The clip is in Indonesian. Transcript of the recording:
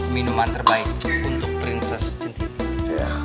minuman terbaik untuk prinses sentini